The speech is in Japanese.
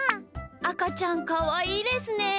あかちゃんかわいいですね。